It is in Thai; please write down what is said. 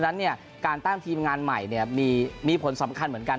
นั้นการแต้มทีมงานใหม่มีผลสำคัญเหมือนกัน